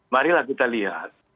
marilah kita lihat